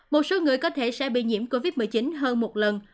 một số người có thể sẽ bị nhiễm covid một mươi chín hơn một lần